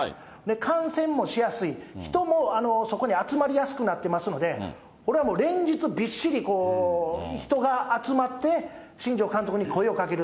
観戦もしやすい、人もそこに集まりやすくなってますので、これはもう連日びっしり人が集まって、新庄監督に声をかける、